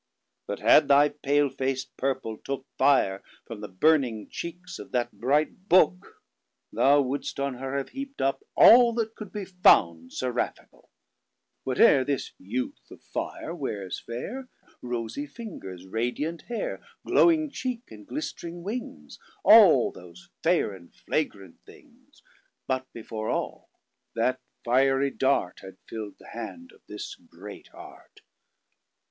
But had thy pale fac't purple tookFire from the burning cheeks of that bright BookeThou wouldst on her have heap't up allThat could be found Seraphicall; What e're this youth of fire weares fair, Rosy fingers, radiant hair, Glowing cheek, and glistering wings, All those fair and flagrant things, But before all, that fiery DartHad fill'd the Hand of this great Heart.